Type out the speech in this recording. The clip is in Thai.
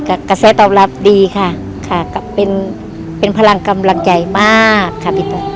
กระแสตอบรับดีค่ะค่ะก็เป็นเป็นพลังกำลังใจมากค่ะพี่ต้น